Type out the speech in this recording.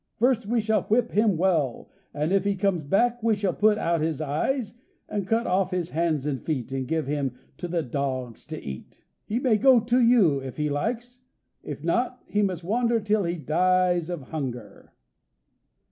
First we shall whip him well, and if he comes back we shall put out his eyes and cut off his hands and feet, and give him to the dogs to eat. He may go to you, if he likes; if not, he must wander till he dies of hunger."